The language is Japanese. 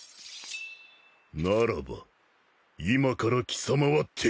ならば今から貴様は敵だ。